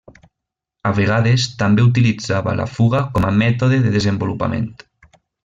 A vegades, també utilitzava la fuga com a mètode de desenvolupament.